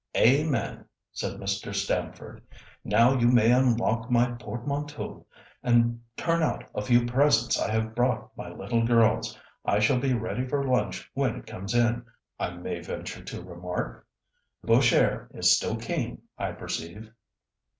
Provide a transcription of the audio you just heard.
"Amen!" said Mr. Stamford. "Now you may unlock my portmanteau and turn out a few presents I have brought my little girls. I shall be ready for lunch when it comes in, I may venture to remark. The bush air is still keen, I perceive."